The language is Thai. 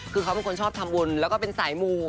คือเขาเป็นคนชอบทำบุญแล้วก็เป็นสายมู